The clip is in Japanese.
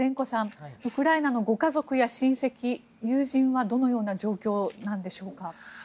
ウクライナのご家族や親戚友人はどのような状況なんでしょうか？